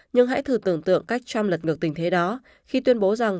nhưng hãy thử tưởng tượng cách trump lật ngược tình thế đó khi tuyên bố rằng